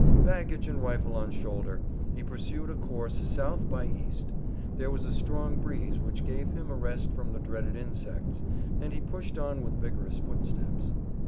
Baggage and rifle on shoulder, he pursued a course south by east. There was a strong breeze which gave him a rest from the dreaded insects, and he pushed on with vigorous footsteps.